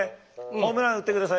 ホームラン打ってくださいよ。